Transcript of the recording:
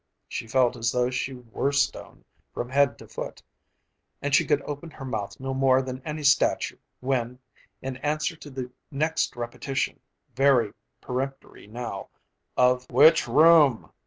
She felt as though she were stone, from head to foot, and she could open her mouth no more than any statue when, in answer to the next repetition, very peremptory now, of "Which room?"